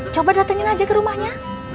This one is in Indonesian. coba datengin aja ke rumahnya